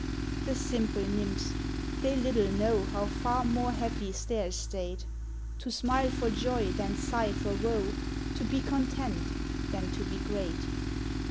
"The simple nymphs! they little know How far more happy 's their estate; To smile for joy than sigh for woe To be content than to be great.